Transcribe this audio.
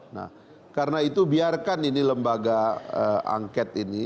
nah karena itu biarkan ini lembaga angket ini